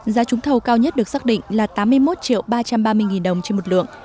giá trúng thầu cao nhất được xác định là tám mươi một ba trăm ba mươi đồng trên một lượng